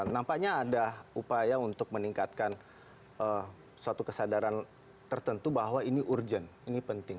nampaknya ada upaya untuk meningkatkan suatu kesadaran tertentu bahwa ini urgent ini penting